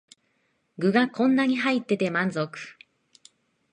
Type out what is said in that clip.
具がこんなに入ってて満足